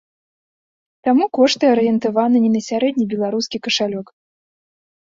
Таму кошты арыентаваны не на сярэдні беларускі кашалёк.